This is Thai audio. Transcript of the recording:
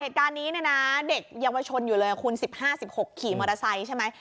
เหตุการณ์นี้เนี่ยนะเด็กเยาวชนอยู่เลยคุณ๑๕๑๖ขี่มอเตอร์ไซค์ใช่ไหม